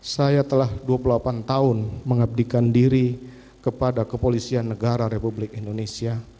saya telah dua puluh delapan tahun mengabdikan diri kepada kepolisian negara republik indonesia